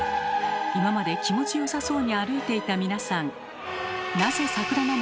今まで気持ちよさそうに歩いていた皆さん。